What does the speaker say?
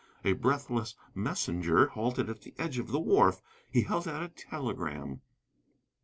A breathless messenger halted at the edge of the wharf. He held out a telegram.